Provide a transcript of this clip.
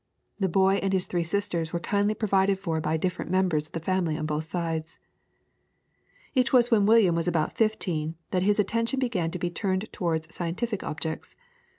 The boy and his three sisters were kindly provided for by different members of the family on both sides. It was when William was about fifteen that his attention began to be turned towards scientific subjects.